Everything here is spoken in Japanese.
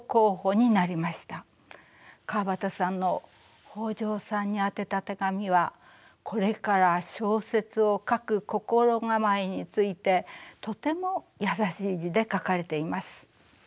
川端さんの北条さんに宛てた手紙はこれから小説を書く心構えについてとても優しい字で書かれています。